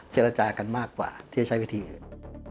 เจรจากันมากกว่าที่จะใช้วิธีอื่น